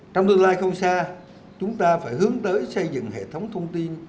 trong tương lai không xa chúng ta phải hướng tới xây dựng hệ thống thông tin